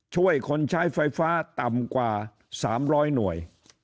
ช่วยคนใช้ไฟฟ้าต่ำกว่า๓๐๐หน่วย